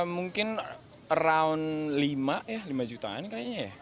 mungkin around rp lima jutaan ya